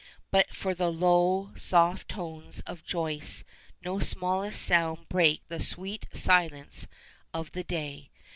But for the low, soft tones of Joyce no smallest sound breaks the sweet silence of the day.